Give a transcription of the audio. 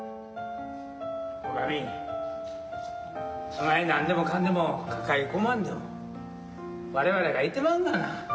女将そないなんでもかんでも抱え込まんでも我々がいてまんがな。